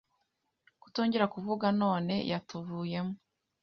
Kutongera kuvuga none yatuvuyemo